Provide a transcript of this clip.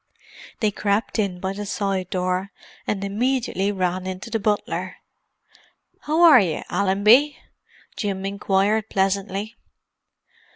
They crept in by a side door, and immediately ran into the butler. "How are you, Allenby?" Jim inquired pleasantly.